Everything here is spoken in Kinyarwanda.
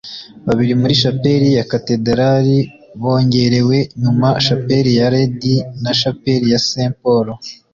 Babiri muri shapeli ya katedrali bongerewe nyuma - Chapel ya Lady na Chapel ya St Paul